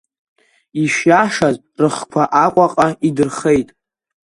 Ишиашаз рхқәа Аҟәаҟа идырхеит.